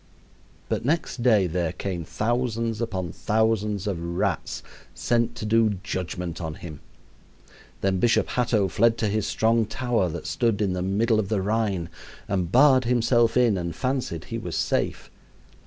But next day there came thousands upon thousands of rats, sent to do judgment on him. Then Bishop Hatto fled to his strong tower that stood in the middle of the Rhine, and barred himself in and fancied he was safe.